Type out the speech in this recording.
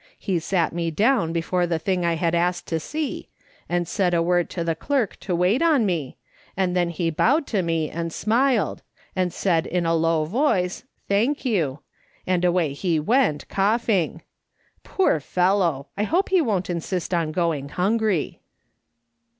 He sat me down before the thing I had asked to see, and said a word to the clerk to wait on me, and then he bowed to me and smiled, and said in a low voice, 'Thank you,' and away he went, coughing. Poor fellow ! I hope he won't insist on going hungry."